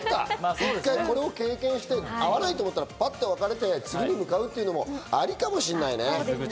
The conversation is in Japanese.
一回これを経験して、合わないと思ったらパッと別れて次に向かうっていうのもありかもしれないね。